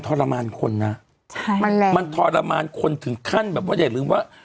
ทรมานคนนะใช่มันแรงมันทรมานคนถึงขั้นแบบว่าอย่าลืมว่า